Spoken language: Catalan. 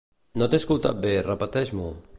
No t'he escoltat bé; repeteix-m'ho.